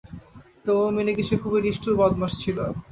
তো, মিনিগিশি খুবই নিষ্ঠুর বদমাশ ছিল।